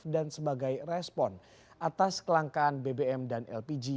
dan sebagai respon atas kelangkaan bbm dan lpj